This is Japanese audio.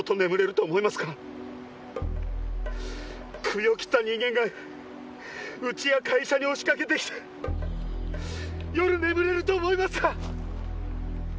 クビを切った人間が家や会社に押しかけてきて夜眠れると思いますか？